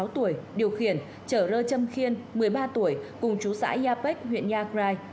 một mươi sáu tuổi điều khiển chở rơ châm khiên một mươi ba tuổi cùng chú sãi yapik huyện yagrai